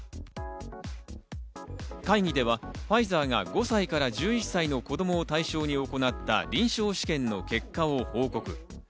会議ではファイザーが５歳から１１歳の子供を対象に行った臨床試験の結果を報告。